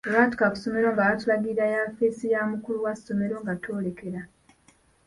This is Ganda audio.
Olwatuuka ku ssomero nga batulagirira yafeesi ya mukulu wa ssomero nga twolekera.